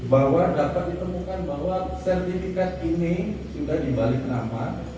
bahwa dapat ditemukan bahwa sertifikat ini sudah dibalik nafas